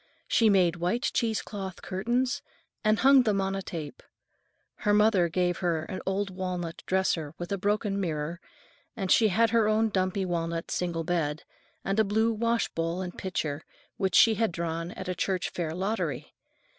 She made white cheesecloth curtains and hung them on a tape. Her mother gave her an old walnut dresser with a broken mirror, and she had her own dumpy walnut single bed, and a blue washbowl and pitcher which she had drawn at a church fair lottery.